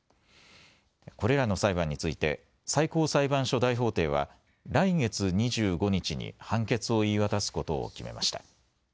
これらの裁判について最高裁判所大法廷は来月２５日に判決を言い渡すことを決めました。